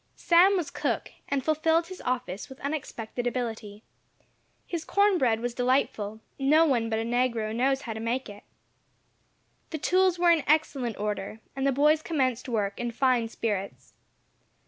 Sam was cook, and fulfilled his office with unexpected ability. His corn bread was delightful; no one but a negro knows how to make it. The tools were in excellent order, and the boys commenced work in fine spirits.